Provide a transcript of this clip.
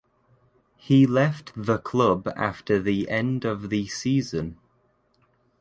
He left the club after the end of the season.